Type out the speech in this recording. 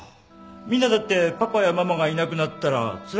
みんなだってパパやママがいなくなったらつらいだろ？